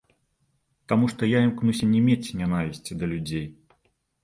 Таму што я імкнуся не мець нянавісці да людзей.